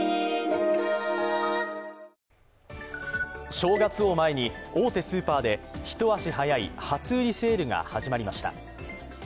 正月を前に大手スーパーで一足早い初売りセールが始まりました。